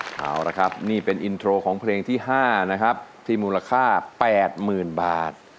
เอาละครับนี่เป็นอินโทรของเพลงที่๕นะครับที่มูลค่า๘๐๐๐บาท